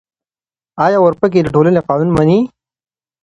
آيا اورپکي د ټولنې قانون مني؟